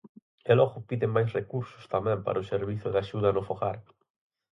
E logo piden máis recursos tamén para o servizo de axuda no fogar.